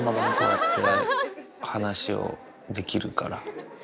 話をできるから。